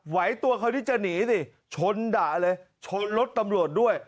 ไหวตัวเขาที่จะหนีสิชนด่าเลยชนรถตำรวจด้วย